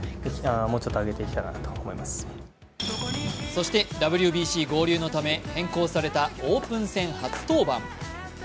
そして、ＷＢＣ合流のため変更されたオープン戦初登板。